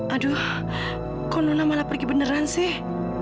aduh kok nona malah pergi beneran sih